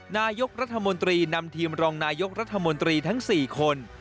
นายกรัฐมนตรีนำทีมรองนายกรัฐมนตรีทั้ง๔คน